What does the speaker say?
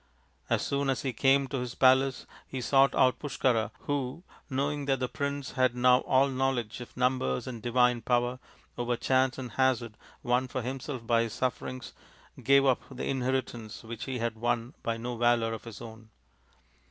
As soon as he came to his palace he sought out Pushkara, who, knowing that the prince had now all knowledge of numbers and divine power over chance and hazard won for himself by his sufferings, gave up the inheritance which he had won by no valour of his own.